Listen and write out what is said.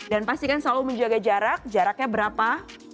dan pastikan selalu menjaga jarak jaraknya berapa